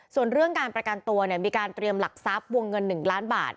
ส่วนเรื่องการประกันตัวมีการเตรียมหลักทรัพย์วงเงิน๑ล้านบาท